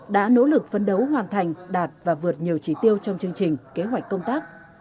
đã nỗ lực phấn đấu hoàn thành đạt và vượt nhiều trí tiêu trong chương trình kế hoạch công tác